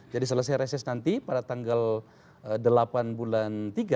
jadi selesai reses nanti pada tanggal delapan bulan tiga